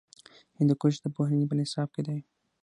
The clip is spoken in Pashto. هندوکش د پوهنې په نصاب کې دی.